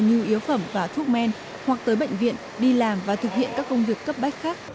nhu yếu phẩm và thuốc men hoặc tới bệnh viện đi làm và thực hiện các công việc cấp bách khác